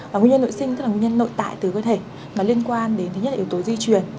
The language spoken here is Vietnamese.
và nguyên nhân nội sinh tức là nguyên nhân nội tại từ cơ thể nó liên quan đến thứ nhất là yếu tố di truyền